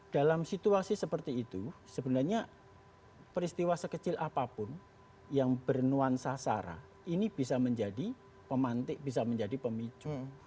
dalam situasi seperti itu sebenarnya peristiwa sekecil apapun yang bernuansa sara ini bisa menjadi pemantik bisa menjadi pemicu